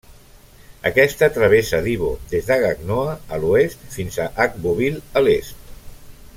Aquesta travessa Divo des de Gagnoa, a l'oest fins a Agboville, a l'est.